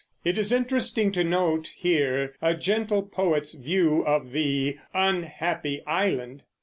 It is interesting to note here a gentle poet's view of the "unhappy island."